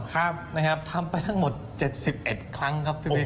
ทำนะครับทำไปทั้งหมด๗๑ครั้งครับพี่บิน